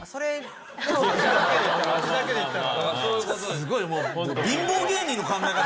すごいもう。